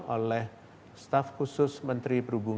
oleh staff kementerian kesehatan dan kementerian kesehatan